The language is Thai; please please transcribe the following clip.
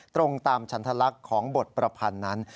ตรงตามฉันทลักษณ์ของบทประพันธ์นั้น